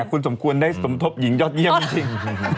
คุณสมควรได้สมทบหญิงยอดเยี่ยมจริง